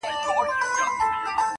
یو څه ملنګ یې یو څه شاعر یې!!!!!